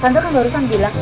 tante kan barusan bilang